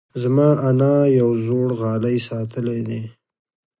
زما انا یو زوړ غالۍ ساتلی دی.